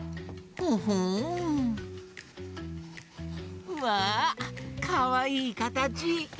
ほほん。わかわいいかたち。